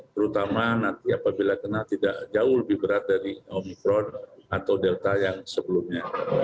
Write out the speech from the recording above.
terutama nanti apabila kena tidak jauh lebih berat dari omikron atau delta yang sebelumnya